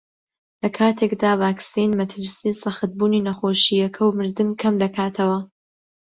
لەکاتێکدا ڤاکسین مەترسیی سەختبوونی نەخۆشییەکە و مردن کەمدەکاتەوە